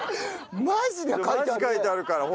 マジで書いてあるね。